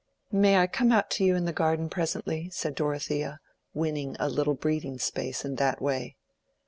"May I come out to you in the garden presently?" said Dorothea, winning a little breathing space in that way.